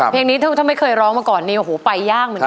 เพลงนี้ถ้าไม่เคยร้องมาก่อนนี่โอ้โหไปยากเหมือนกัน